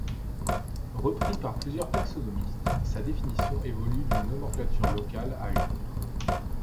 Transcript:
Repris par plusieurs taxonomiste, sa définition évolue d'une nomenclature locale à une autre.